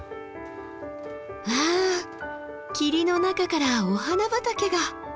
うわ霧の中からお花畑が。